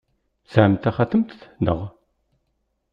Tesɛam taxatemt, naɣ?